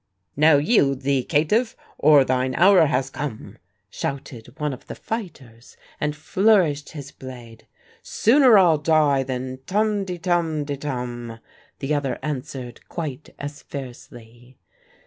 "Now yield thee, caitiff, or thine hour has come!" shouted one of the fighters and flourished his blade. "Sooner I'll die than tum te tum te tum!" the other answered quite as fiercely.